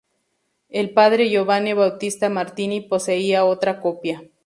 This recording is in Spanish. El padre Giovanni Battista Martini poseía otra copia.